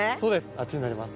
あっちになります。